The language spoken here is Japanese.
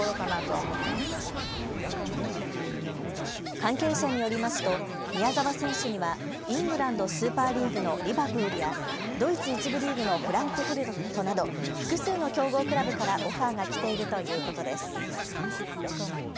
関係者によりますと宮澤選手にはイングランドスーパーリーグのリバプールやドイツ１部リーグのフランクフルトなど複数の強豪クラブからオファーが来ているということです。